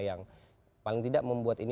yang paling tidak membuat ini